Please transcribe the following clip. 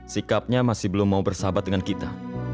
sikapnya masih belum mau bersahabat dengan kita